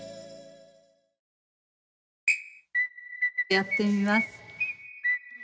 やってみます